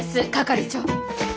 係長。